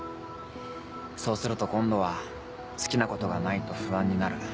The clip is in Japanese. そうすると今度は好きなことがないと不安になる。